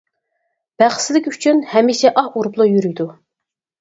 بەختسىزلىكى ئۈچۈن ھەمىشە ئاھ ئۇرۇپلا يۈرىدۇ.